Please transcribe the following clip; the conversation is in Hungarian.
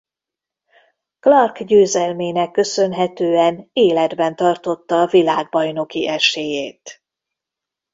Clark győzelmének köszönhetően életben tartotta világbajnoki esélyét.